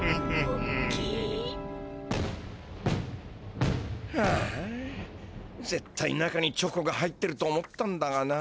モケ。はあぜったい中にチョコが入ってると思ったんだがな。